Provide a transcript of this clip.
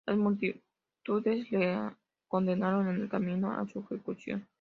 Las multitudes la condenaron en el camino a su ejecución.